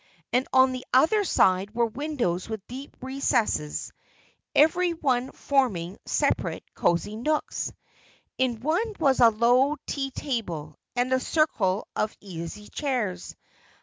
And on the other side were windows with deep recesses, every one forming separate cosy nooks. In one was a low tea table and a circle of easy chairs.